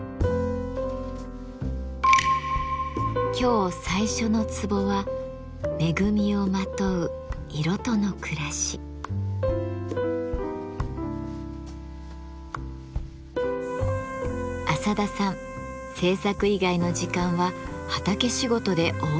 今日最初のツボは浅田さん制作以外の時間は畑仕事で大忙し。